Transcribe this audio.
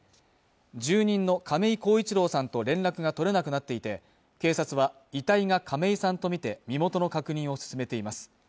住人の亀井孝一郎さんと連絡が取れなくなっていて警察は遺体が亀井さんとみて身元の確認を進めています